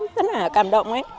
rất là cảm động ấy